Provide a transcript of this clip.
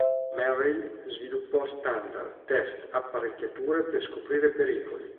Merrill sviluppò standard, test, apparecchiature per scoprire pericoli.